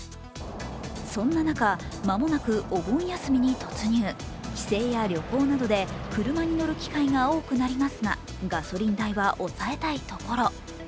そんな中、間もなくお盆休みに突入帰省や旅行などで車に乗る機会が多くなりますがガソリン代は抑えたいところ。